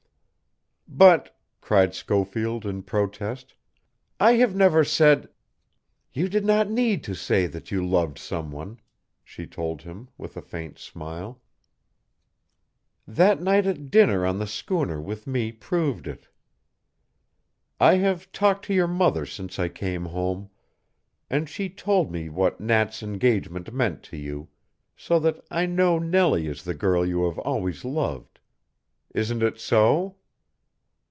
"But," cried Schofield in protest, "I have never said " "You did not need to say that you loved some one," she told him, with a faint smile. "That night at dinner on the schooner with me proved it. I have talked to your mother since I came home, and she told me what Nat's engagement meant to you, so that I know Nellie is the girl you have always loved. Isn't it so?"